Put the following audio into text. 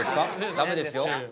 ダメですよ。